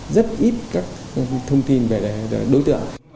rất ít các thông tin về đối tượng